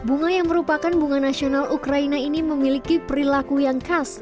bunga yang merupakan bunga nasional ukraina ini memiliki perilaku yang khas